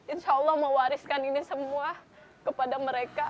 insya allah mewariskan ini semua kepada mereka